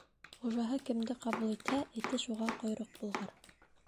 Хужаһы кемде ҡабул итһә, эте шуға ҡойроҡ болғар.